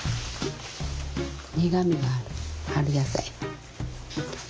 苦みがある春野菜。